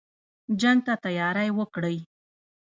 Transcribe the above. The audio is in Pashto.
جنګ ته تیاری وکړی.